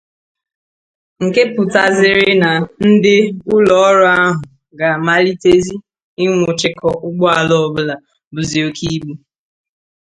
nke pụtazịrị na ndị ụlọọrụ ahụ ga-amalitezị ịnwụchikọ ụgbọala ọbụla buzị oke ibu